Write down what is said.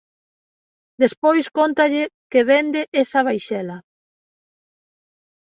Despois, cóntalle que vende esa vaixela.